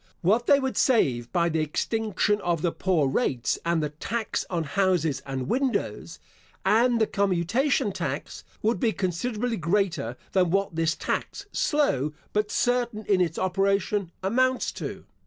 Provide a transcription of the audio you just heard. What they would save by the extinction of the poor rates, and the tax on houses and windows, and the commutation tax, would be considerably greater than what this tax, slow, but certain in its operation, amounts to.